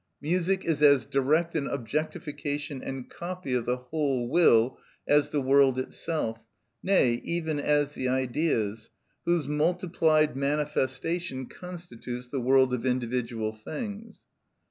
Music is as direct an objectification and copy of the whole will as the world itself, nay, even as the Ideas, whose multiplied manifestation constitutes the world of individual things.